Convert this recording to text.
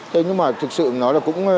thế nhưng mà thực sự nó là cũng